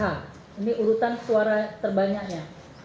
ini urutan suara terbanyaknya